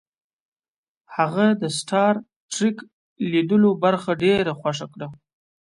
هغه د سټار ټریک لیدلو برخه ډیره خوښه کړه